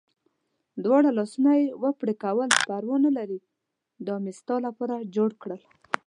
دواړه لاسونه یې و پړکول، پروا نه لرې دا مې ستا لپاره جوړ کړل.